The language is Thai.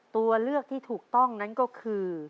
ตัวเลือกที่ถูกต้องนั้นก็คือ